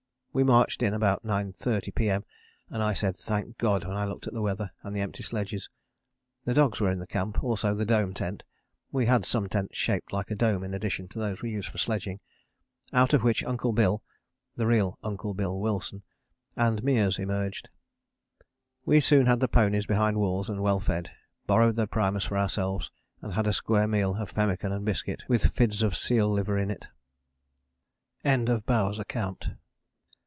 We marched in about 9.30 P.M. I said 'Thank God' when I looked at the weather, and the empty sledges. The dogs were in camp, also the dome tent [we had some tents shaped like a dome in addition to those we used for sledging], out of which Uncle Bill (the real 'Uncle Bill Wilson') and Meares emerged. We soon had the ponies behind walls and well fed, borrowed their primus for ourselves, and had a square meal of pemmican and biscuit with fids of seal liver in it. (End of Bowers' Account.)